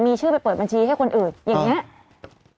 มีชื่อไปเปิดบัญชีให้คนอื่นอย่างนี้